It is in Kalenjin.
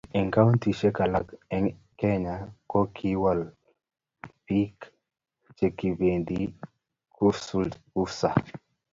eng' kauntisiek alak eng' Kenya ko kiwolu biik che bendi kusaa